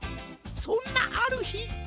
そんなあるひ。